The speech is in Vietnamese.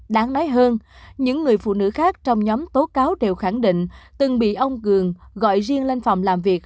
đáng nói hơn những người phụ nữ khác trong nhóm tố cáo đều khẳng định từng bị ông cường gọi riêng lên phòng làm việc